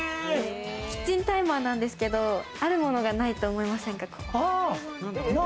キッチンタイマーなんですけど、あるものがないと思いませんか？